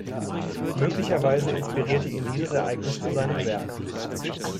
Möglicherweise inspirierte ihn dieses Ereignis zu seinem Werk.